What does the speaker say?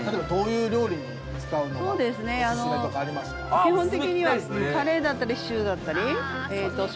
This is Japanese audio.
基本的には。